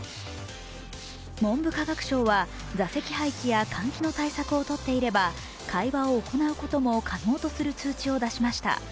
文部科学省は座席配置や換気の対策を取っていれば会話を行うことも可能とする通知を出しました。